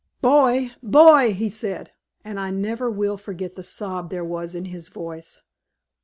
"'Boy! Boy!' he said, and I never will forget the sob there was in his voice.